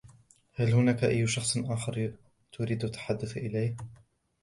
هل هناك أي شخص آخر تريد التحدث إليه؟